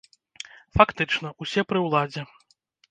Фактычна, усе пры ўладзе.